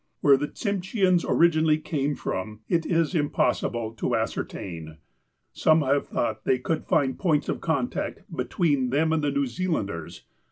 Where the Tsimsheans originally came from, it is im possible to ascertain. Some have thought they could find points of contact between them and the New Zealanders.